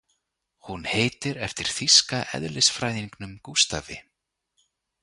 Hún heitir eftir þýska eðlisfræðingnum Gústafi.